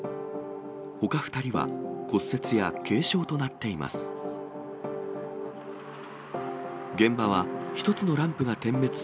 ほか２人は骨折や軽傷となっています。